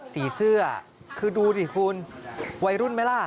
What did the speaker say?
สีเสื้อคือดูดิคุณวัยรุ่นไหมล่ะ